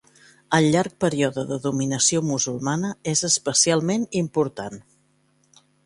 El llarg període de dominació musulmana és especialment important.